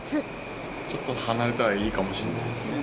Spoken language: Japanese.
ちょっと離れたらいいかもしれないですね。